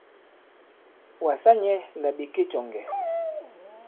Wàsa nyɛ̄ là ɓè ke cɔ̀ŋgɛ̀.